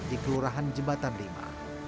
di kelurahan jembatan lima